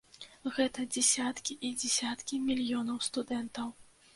Гэта дзесяткі і дзесяткі мільёнаў студэнтаў!